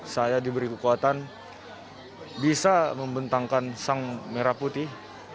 saya diberi kekuatan bisa membentangkan sang merah putih